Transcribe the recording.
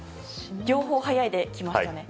両方速いで来ましたね。